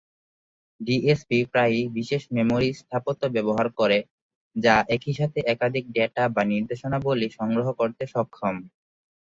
DSP প্রায়ই বিশেষ memory স্থাপত্য ব্যবহার করে, যা একই সাথে একাধিক ডেটা বা নির্দেশাবলী সংগ্রহ করতে সক্ষম।